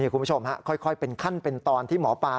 คุณผู้ชมค่อยเป็นขั้นเป็นตอนที่หมอปลา